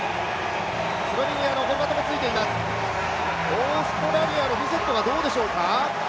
オーストラリアのビセットがどうでしょうか。